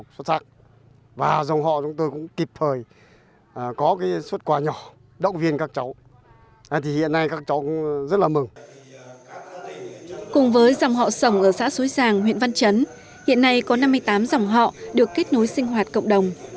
cùng với dòng họ sổng ở xã xối giàng huyện văn chấn hiện nay có năm mươi tám dòng họ được kết nối sinh hoạt cộng đồng